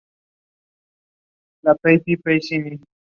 Es ahí donde la gente le pidió pintar una de las paredes.